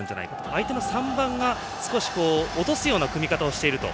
相手の３番が少し落とすような組み方をしていると。